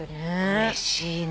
うれしいね。